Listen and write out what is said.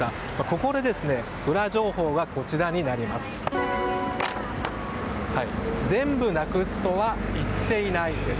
ここでウラ情報がこちらです。